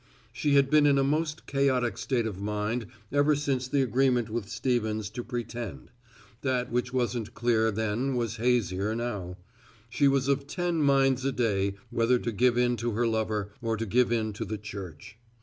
She had been in a most chaotic state of mind ever since the agreement with Stevens to pretend; that which wasn't clear then was hazier now; she was of ten minds a day whether to give in to her lover or to give in to the Church.